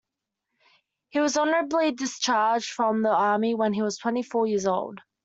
He was honorably discharged from the Army when he was twenty-four years old.